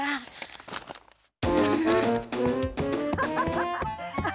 ・ハハハハ！